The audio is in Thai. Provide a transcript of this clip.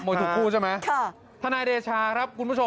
มวยถูกคู่ใช่ไหมค่ะทนายเดชาครับคุณผู้ชมครับ